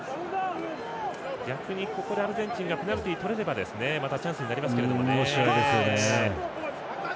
逆にここでアルゼンチンがペナルティをとれればまたチャンスになりますけどね。